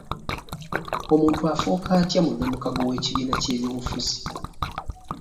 Omuntu afuuka atya munnamukago w'ekibiina ky'ebyobufuzi?